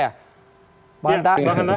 ya bang hanta